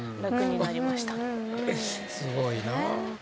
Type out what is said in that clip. すごいな。